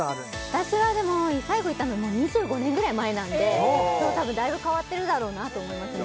私はでも最後行ったのもう２５年ぐらい前なんで多分だいぶ変わってるだろうなと思いますね